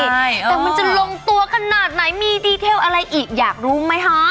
แต่มันจะลงตัวขนาดไหนมีดีเทลอะไรอีกอยากรู้ไหมคะ